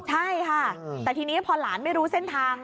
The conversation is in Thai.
ใช่ค่ะแต่ทีนี้พอหลานไม่รู้เส้นทาง